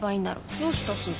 どうしたすず？